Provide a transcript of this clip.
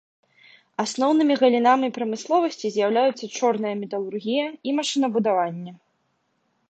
Асноўнымі галінамі прамысловасці з'яўляюцца чорная металургія і машынабудаванне.